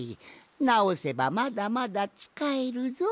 なおせばまだまだつかえるぞい。